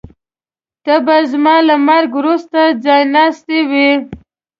ته به زما له مرګ وروسته ځایناستی وې.